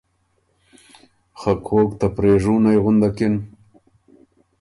خه کوک ته پرېژُوتئ غُندکِن۔